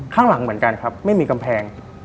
ข้างหลังเหมือนกันครับไม่มีกำแพง